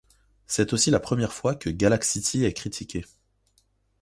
C'est aussi la première fois que Galaxity est critiquée.